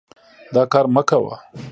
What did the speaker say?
دا کار مه کوه.